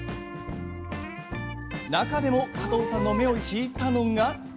中でも加藤さんの目を引いたのが。